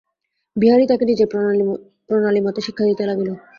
বিহারী তাহাকে নিজের প্রণালীমতে শিক্ষা দিতে লাগিল।